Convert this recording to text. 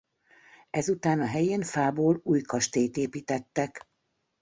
Ezután a helyén fából új kastélyt építettek.